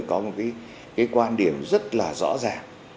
có một cái quan điểm rất là rõ ràng